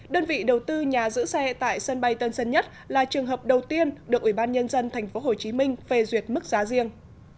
đơn vị đầu tư nhà giữ xe tại sân bay tân sơn nhất là trường hợp đầu tiên được ủy ban nhân dân tp hcm phê duyệt mức giá riêng